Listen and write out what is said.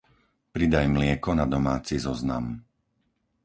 Pridaj mlieko na domáci zoznam.